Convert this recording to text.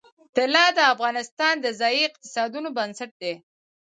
طلا د افغانستان د ځایي اقتصادونو بنسټ دی.